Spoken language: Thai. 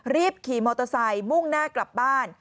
รีบขี่มอเตอร์ไซค์มุ่งหน้ากลับบ้าน